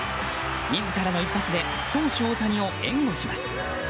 自らの一発で投手・大谷を援護します。